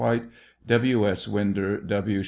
White, W. S. Winder, W.